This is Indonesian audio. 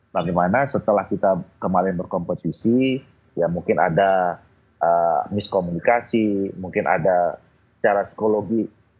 bagaimana setelah kita kemarin berkompetisi ya mungkin ada miskomunikasi mungkin ada secara psikologi